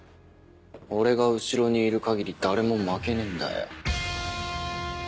俺が後ろにいる限り誰も負けねえんだよ。